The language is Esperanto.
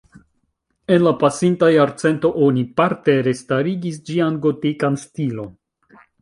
En la pasinta jarcento oni parte restarigis ĝian gotikan stilon.